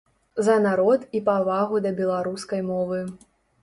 За народ і павагу да беларускай мовы.